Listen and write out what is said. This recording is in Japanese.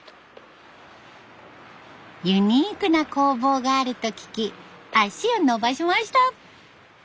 ユニークな工房があると聞き足を延ばしました。